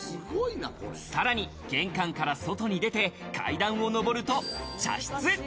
さらに、玄関から外に出て階段を上ると、茶室。